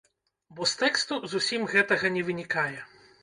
Бо з тэксту зусім гэтага не вынікае.